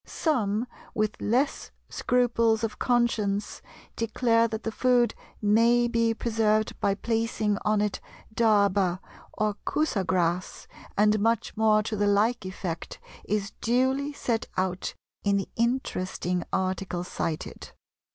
Some, with less scruples of conscience, declare that the food may be preserved by placing on it dharba or Kusa grass," and much more to the like effect is duly set out in the interesting article cited.